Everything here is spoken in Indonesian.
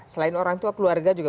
selain orang tua keluarga juga